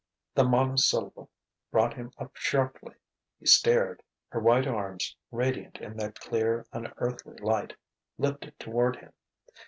The monosyllable brought him up sharply. He stared. Her white arms, radiant in that clear, unearthly light, lifted toward him.